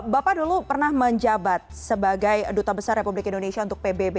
bapak dulu pernah menjabat sebagai duta besar republik indonesia untuk pbb